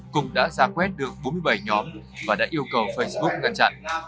cũng đã ra quét được bốn mươi bảy nhóm và đã yêu cầu facebook ngăn chặn